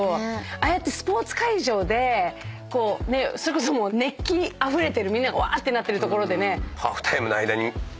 ああやってスポーツ会場で熱気あふれてるみんながわーってなってる所でね。